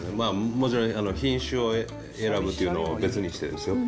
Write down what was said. もちろん、品種を選ぶっていうのを別にしてですよ。